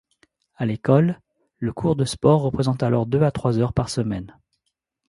À l’école, le cours de sport représente alors deux à trois heures par semaine.